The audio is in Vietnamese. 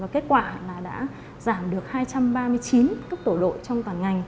kết quả là đã giảm được hai trăm ba mươi chín cấp tổ đội trong toàn ngành